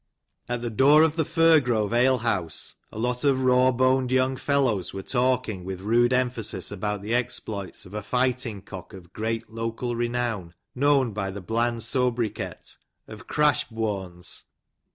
At the door of the Fir Grove ale house, a lot of raw boned young fellows were talking with rude emphasis about the exploits of a fighting cock of great local renown, known by the bland soubriquet of" Crash Bwons."